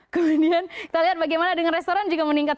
kemudian kita lihat bagaimana dengan restoran juga meningkat